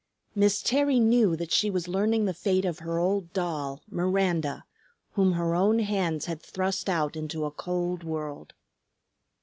Miss Terry knew that she was learning the fate of her old doll, Miranda, whom her own hands had thrust out into a cold world.